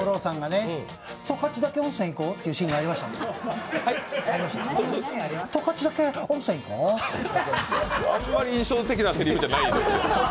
あんまり印象的なせりふじゃないです。